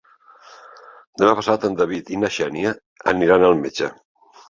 Demà passat en David i na Xènia aniran al metge.